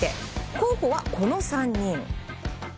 候補はこの３人。